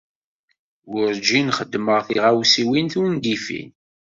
Werǧin xeddmeɣ tiɣawsiwin tungifin.